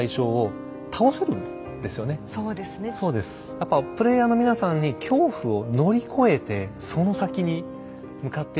やっぱプレイヤーの皆さんに恐怖を乗り越えてその先に向かっていく。